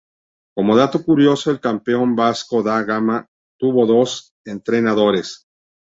Como dato curioso, el campeón Vasco da Gama tuvo dos entrenadores.